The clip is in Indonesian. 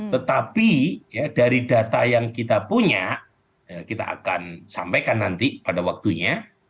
tetapi dari data yang kita punya kita akan sampaikan nanti pada waktunya